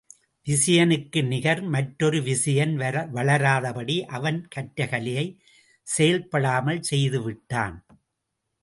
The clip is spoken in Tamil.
விசயனுக்கு நிகர் மற்றொரு விசயன் வளராதபடி அவன் கற்ற கலையைச் செயல்படாமல் செய்து விட்டான்.